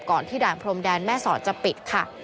ก่อนที่ด่านพรมแดนแม่ศรจะปิดค่ะ